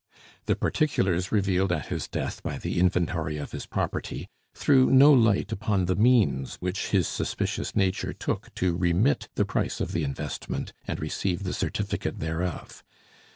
The particulars revealed at his death by the inventory of his property threw no light upon the means which his suspicious nature took to remit the price of the investment and receive the certificate thereof.